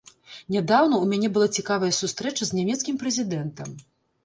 Нядаўна ў мяне была цікавая сустрэча з нямецкім прэзідэнтам.